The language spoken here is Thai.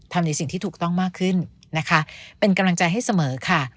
ในสิ่งที่ถูกต้องมากขึ้นนะคะเป็นกำลังใจให้เสมอค่ะ